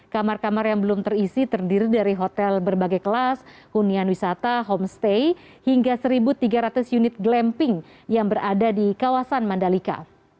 kamar kamar yang belum terisi terdiri dari hotel berbagai kelas hunian wisata homestay hingga satu tiga ratus unit glamping yang berada di kawasan mandalika